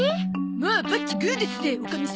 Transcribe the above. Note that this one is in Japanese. もうバッチグーですぜおかみさん。